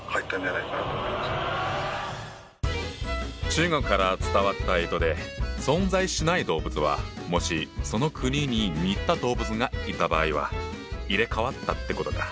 中国から伝わった干支で存在しない動物はもしその国に似た動物がいた場合は入れ代わったってことか。